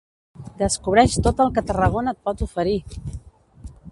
Descobreix tot el que Tarragona et pot oferir!